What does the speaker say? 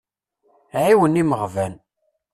Ɛiwen imeɣban.